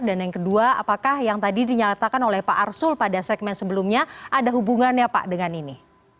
dan yang kedua apakah yang tadi dinyatakan oleh pak arsul pada segmen sebelumnya ada hubungannya pak dengan ini